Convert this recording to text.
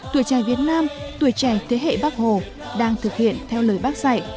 tuổi trẻ việt nam tuổi trẻ thế hệ bắc hồ đang thực hiện theo lời bác dạy